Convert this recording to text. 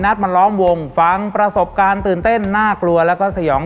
มาล้อมวงฟังประสบการณ์ตื่นเต้นน่ากลัวแล้วก็สยอง